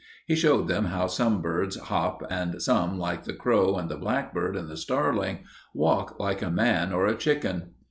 He showed them how some birds hop and some, like the crow and the blackbird and the starling, walk like a man or a chicken.